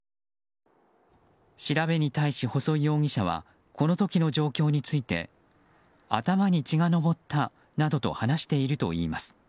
調べに対し、細井容疑者はこの時の状況について頭に血が上ったなどと話しているといいます。